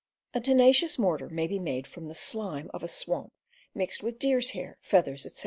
A tenacious mortar may be made from the slime of a swamp mixed with deer's hair, feathers, etc.